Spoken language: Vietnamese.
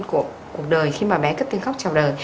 của cuộc đời khi mà bé cất tiếng khóc trào đời